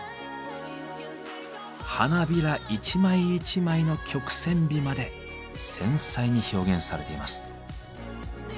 花びら一枚一枚の曲線美まで繊細に表現されています。